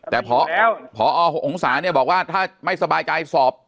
แต่พอองศาเนี่ยบอกว่าถ้าไม่สบายใจสอบ